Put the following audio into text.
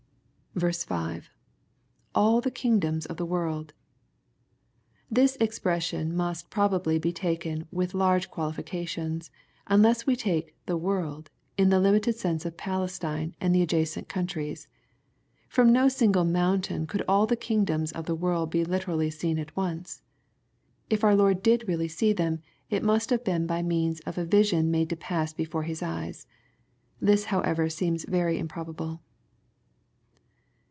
5.— [^B ^ kingdoms of the world,] This expression must probably be taken with large qualifications^ unless we take " the world" in the limited sense of Palestine and the adjacent oountriea From no single mountain could all the kingdoms of the worid be literaQy seen at once. If our Lord did really see them, it must have been by means of a vision made to pass before His eyes. This howevw aeems very improbable.